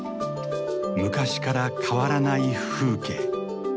昔から変わらない風景。